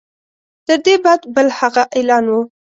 تر دې بد بل هغه اعلان وو.